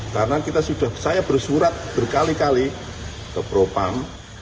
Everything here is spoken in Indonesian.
karena saya sudah bersurat berkali kali ke propam